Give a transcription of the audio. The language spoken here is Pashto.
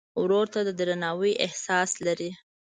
ورور ته د درناوي احساس لرې.